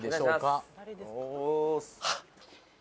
あっ！